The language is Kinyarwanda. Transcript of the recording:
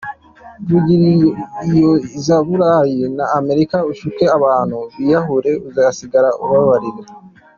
vugira iyo za Burayi na Amerika ushuke abantu biyahure uzasigara ubaririra.